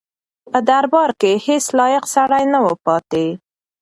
په دربار کې هیڅ لایق سړی نه و پاتې.